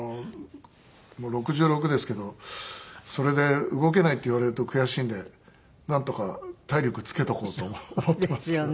もう６６ですけどそれで動けないって言われると悔しいんでなんとか体力つけとこうと思っていますけど。